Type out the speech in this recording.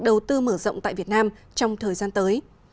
đầu tư mở rộng tại việt nam trong thời gian tới